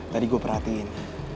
tadi gue perhatiin